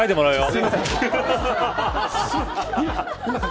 すいません。